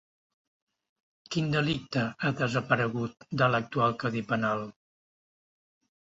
Quin delicte ha desaparegut de l'actual codi penal?